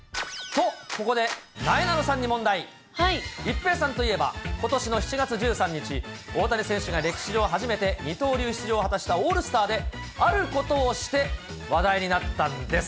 と、一平さんといえば、ことしの７月１３日、大谷選手が歴史上初めて二刀流出場を果たしたオールスターで、あることをして話題になったんです。